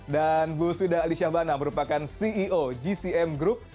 dan bu swida alysya hbana merupakan ceo gcm group